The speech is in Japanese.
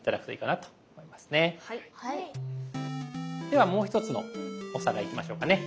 ではもう一つのおさらいいきましょうかね。